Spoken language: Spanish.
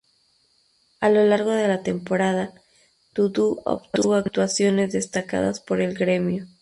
A lo largo de la temporada, Dudu obtuvo actuaciones destacadas por el Grêmio.